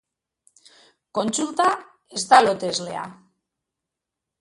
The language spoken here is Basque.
Kontsulta ez da loteslea.